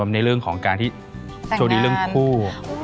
แม่บ้านประจันบัน